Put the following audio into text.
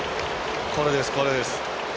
これです、これです。